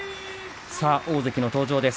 さあ、大関の登場です。